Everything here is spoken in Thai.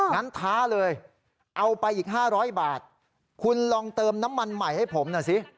ท้าเลยเอาไปอีก๕๐๐บาทคุณลองเติมน้ำมันใหม่ให้ผมหน่อยสิ